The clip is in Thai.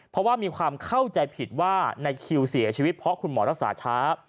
เพราะว่ามีความเข้าใจผิดว่าในคิวเสียชีวิตเพราะคุณหมอรักษาช้า